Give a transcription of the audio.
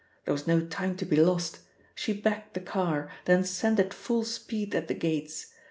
There was no time to be lost. She backed the car, then sent it full speed at the gates.